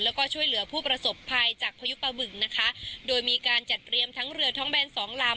แล้วก็ช่วยเหลือผู้ประสบภัยจากพายุปะบึงนะคะโดยมีการจัดเตรียมทั้งเรือท้องแบนสองลำ